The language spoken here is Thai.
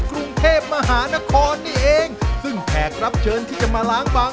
กรุงเทพมหานครนี่เองซึ่งแขกรับเชิญที่จะมาล้างบาง